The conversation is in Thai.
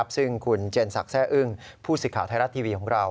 ซึ่งคุณเจนสักแร่อึ้งผู้สิทธิ์ไทยรัฐทีวีของเรา